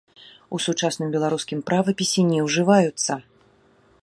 У сучасным беларускім правапісе не ўжываюцца.